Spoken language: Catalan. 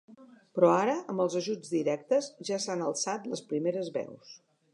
Però ara, amb els ajuts directes, ja s’han alçat les primeres veus.